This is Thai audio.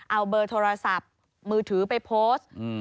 เอาเบอร์โทรศัพท์มือถือไปโพสต์